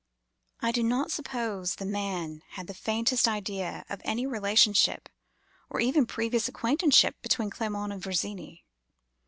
I do not suppose the man had the faintest idea of any relationship or even previous acquaintanceship between Clement and Virginie.